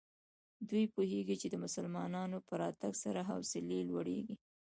دوی پوهېږي چې د مسلمانانو په راتګ سره حوصلې لوړېږي.